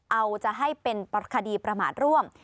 เอาจะให้เป็นคดีประมาทร่วม